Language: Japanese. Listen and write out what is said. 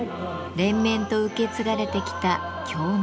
連綿と受け継がれてきた「京舞」。